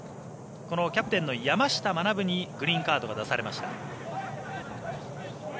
このキャプテンの山下学にグリーンカードが出されました。